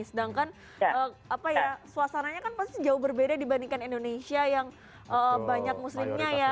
sedangkan suasananya kan pasti jauh berbeda dibandingkan indonesia yang banyak muslimnya ya